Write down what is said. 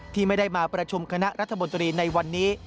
ที่ไม่ได้มาประชุมคณะรัฐมนตรีในวันนี้